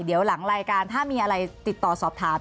เดี๋ยวหลังรายการถ้ามีอะไรติดต่อสอบถาม